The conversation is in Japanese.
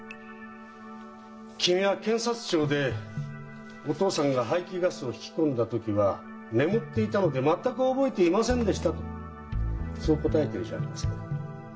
君は検察庁で「お父さんが排気ガスを引き込んだ時は眠っていたので全く覚えていませんでした」とそう答えているじゃありませんか。